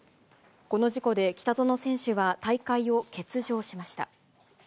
この事故で北薗選手は大会を欠場しました。